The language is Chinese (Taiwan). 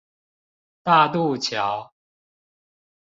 大度橋